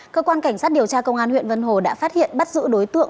cơ quan cảnh sát điều tra công an huyện vân hồ đã phát hiện bắt giữ đối tượng